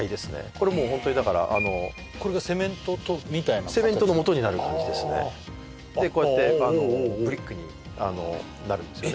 これもうホントにだからこれがセメントみたいなセメントのもとになる感じですねでこうやってブリックになるんですよね